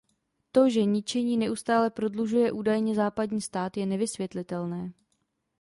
To, že ničení neustále prodlužuje údajně západní stát, je nevysvětlitelné.